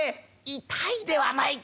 「痛いではないか」。